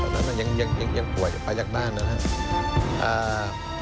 เพราะฉะนั้นมันยังกลัวไปจากบ้านนะครับ